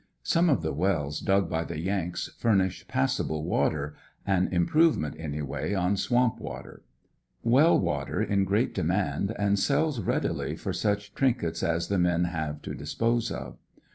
Some of the wells dug by the Yanks furnish passable water, an improvement anyway on swamp water. Well water in great demand and sells readily for such trinkets as the men have to dis pose of.